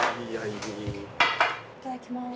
いただきます。